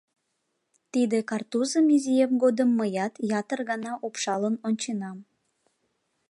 Тиде картузым изиэм годым мыят ятыр гана упшалын онченам.